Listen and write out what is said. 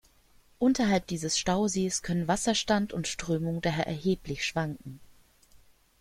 Unterhalb dieses Stausees können Wasserstand und Strömung daher erheblich schwanken.